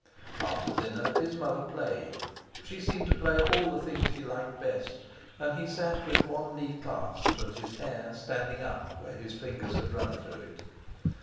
After dinner his mother played; she seemed to play all the things he liked best, and he sat with one knee clasped, and his hair standing up where his fingers had run through it.